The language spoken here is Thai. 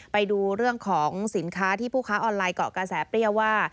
ไปดูเรื่องของสินค้าที่ผู้ค้าออนไลน์เกาะกระแสเปรี้ยวว่า